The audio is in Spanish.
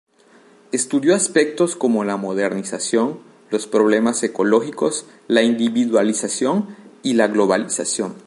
Estudió aspectos como la modernización, los problemas ecológicos, la individualización y la globalización.